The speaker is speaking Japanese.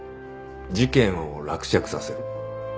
事件を落着させる。